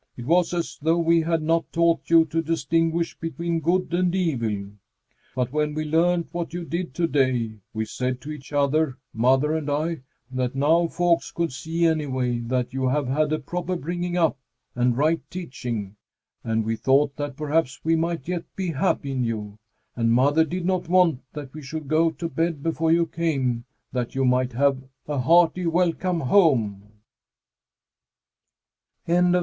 It was as though we had not taught you to distinguish between good and evil. But when we learned what you did to day, we said to each other mother and I that now folks could see anyway that you have had a proper bringing up and right teaching, and we thought that perhaps we might yet be happy in you. And mother did not want that we should go to bed before you came that you might have a hearty welcome home."